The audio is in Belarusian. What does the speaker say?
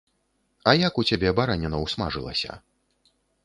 А як у цябе бараніна ўсмажылася?